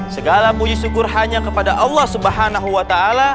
segala puji syukur hanya kepada allah subhanahu wa ta'ala